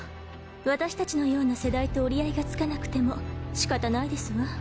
私たちのような世代と折り合いがつかなくても仕方ないですわ。